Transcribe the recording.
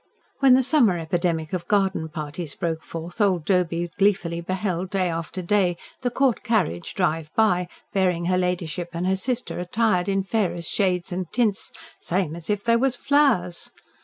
When the summer epidemic of garden parties broke forth, old Doby gleefully beheld, day after day, the Court carriage drive by bearing her ladyship and her sister attired in fairest shades and tints "same as if they was flowers."